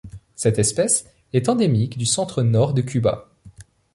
Cette espèce est endémique du centre-nord de Cuba.